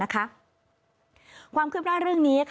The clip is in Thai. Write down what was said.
ความคืบหน้าเรื่องนี้